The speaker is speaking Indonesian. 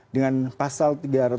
dengan pasal tiga ratus empat puluh tiga